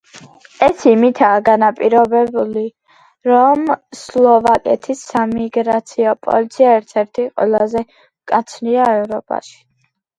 ეს იმითაა განპირობებული, რომ სლოვაკეთის საიმიგრაციო პოლიცია ერთ-ერთი ყველაზე მკაცრია ევროპაში.